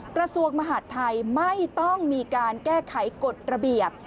กระทรวงมหาดไทยไม่ต้องมีการแก้ไขกฎระเบียบ